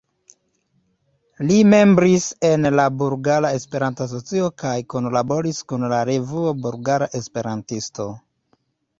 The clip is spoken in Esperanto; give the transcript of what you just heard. Li membris en la Bulgara Esperanto-Asocio kaj kunlaboris kun la revuo "Bulgara Esperantisto".